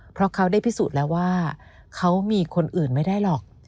เพราะเขาได้พิสูจน์แล้วว่าเขามีคนอื่นไม่ได้หรอก